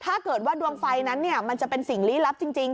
ถ้าเกิดว่าดวงไฟนั้นมันจะเป็นสิ่งลี้ลับจริง